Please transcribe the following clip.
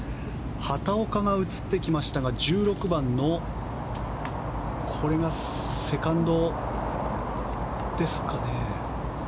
畑岡が映ってきましたが１６番のセカンドですかね。